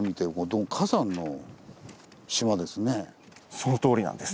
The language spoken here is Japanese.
そのとおりなんです。